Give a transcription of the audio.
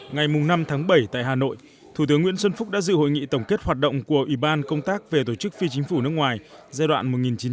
ngày năm tháng bảy tại hà nội thủ tướng nguyễn xuân phúc đã dự hội nghị tổng kết hoạt động của ủy ban công tác về tổ chức phi chính phủ nước ngoài giai đoạn một nghìn chín trăm chín mươi sáu hai nghìn một mươi bảy